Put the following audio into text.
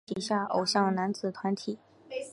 台风为乔杰立家族旗下偶像男子团体。